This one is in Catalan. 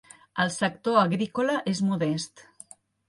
El sector agrícola és modest.